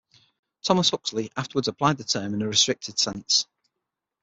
Thomas Huxley afterwards applied the term in a restricted sense.